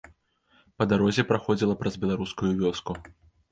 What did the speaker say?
Па дарозе праходзіла праз беларускую вёску.